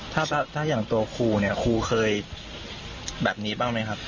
ถ้าอย่างตัวครูเนี่ยครูเคยแบบนี้บ้างไหมครับ